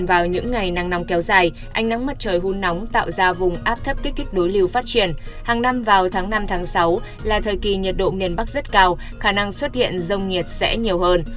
anh nắng mắt trời hun nóng tạo ra vùng áp thấp kích kích đối lưu phát triển hàng năm vào tháng năm sáu là thời kỳ nhiệt độ miền bắc rất cao khả năng xuất hiện rông nhiệt sẽ nhiều hơn